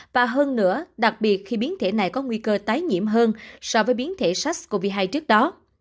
và hơn nữa đặc biệt khi biến thể này có nguy cơ tái nhiễm hơn so với biến thể sars cov hai trước đó